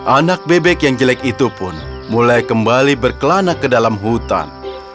anak bebek yang jelek itu pun mulai kembali berkelana ke dalam hutan